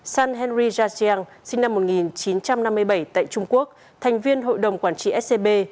san henry jasiang sinh năm một nghìn chín trăm năm mươi bảy tại trung quốc thành viên hội đồng quản trị scb